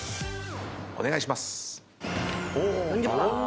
お願いします。